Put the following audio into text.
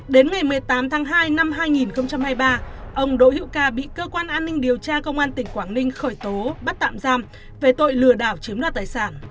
đến ngày một mươi tám tháng hai năm hai nghìn hai mươi ba ông đỗ hữu ca bị cơ quan an ninh điều tra công an tỉnh quảng ninh khởi tố bắt tạm giam về tội lừa đảo chiếm đoạt tài sản